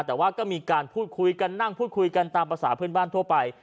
แต่ว่าก็มีการพูดคุยกันนั่งพูดคุยกันตามภาษาเพื่อนบ้านทั่วไป